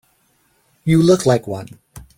You look like one.